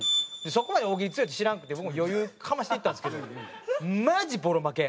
そこまで大喜利強いって知らなくて僕も余裕かましていったんですけどマジボロ負け。